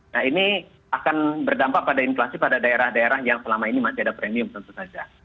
nah ini akan berdampak pada inflasi pada daerah daerah yang selama ini masih ada premium tentu saja